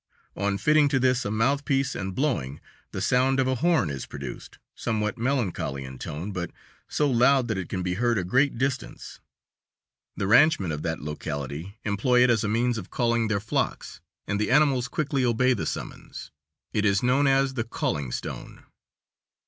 On fitting to this a mouthpiece and blowing, the sound of a horn is produced, somewhat melancholy in tone, but so loud that it can be heard a great distance; the ranchmen of that locality employ it as a means of calling their flocks and the animals quickly obey the summons. It is known as the "Calling Stone."